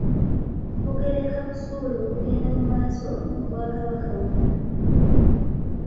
Okugereka busuulu kugenda mumaaso mu Bwakabaka wonna.